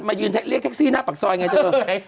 มาเรียกแท็คซี่หน้าปากซอยไงตั๊กพี่